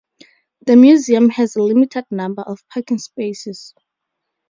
The museum has a limited number of parking spaces.